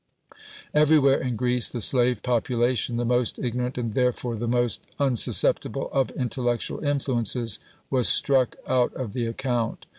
Everywhere in Greece the slave population the most ignorant, and therefore the most unsusceptible of intellectual influences was struck out of the account.